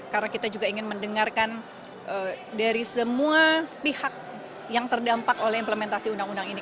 karena kita juga ingin mendengarkan dari semua pihak yang terdampak oleh implementasi undang undang ini